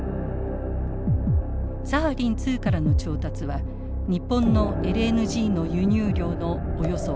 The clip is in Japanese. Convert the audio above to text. サハリン２からの調達は日本のＬＮＧの輸入量のおよそ８％。